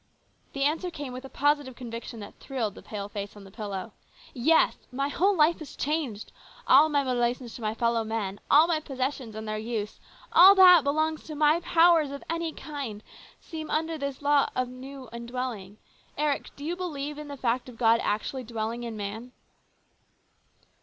The answer came with a positive con viction that thrilled the pale face on the pillow. " Yes ! My whole life is changed. All my relations to my fellow men, all my possessions and their use, all that belongs to my powers of any kind, seem under the law of this new indwelling. Eric, do you believe in the fact of God actually dwelling in man